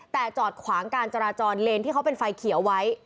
แต่จอดขวางการจราจรเลนที่เขาเป็นไฟเขียวไว้